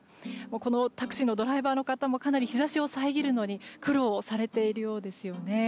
このタクシーのドライバーの方もかなり日差しを遮るのに苦労されているようですよね。